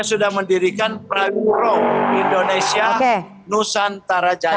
saya sudah mendirikan praguro indonesia nusantarajaya